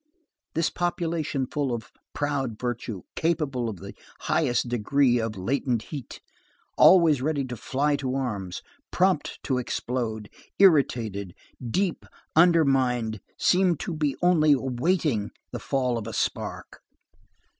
This population full of proud virtue, capable to the highest degree of latent heat, always ready to fly to arms, prompt to explode, irritated, deep, undermined, seemed to be only awaiting the fall of a spark.